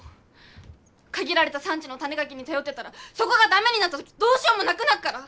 限られた産地の種ガキに頼ってたらそこが駄目になった時どうしようもなくなっから！